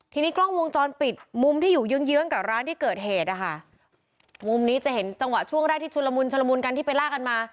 ทีนี้กล้องวงจรปิดมุมที่อยู่เยื้องเยื้องกับร้านที่เกิดเหตุนะคะมุมนี้จะเห็นจังหวะช่วงแรกที่ชุนละมุนชุลมุนกันที่ไปลากกันมา